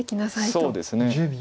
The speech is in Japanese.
そうですね。